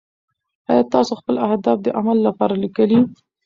ایا تاسو خپل اهداف د عمل لپاره لیکلي؟